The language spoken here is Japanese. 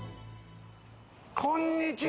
こんにちは。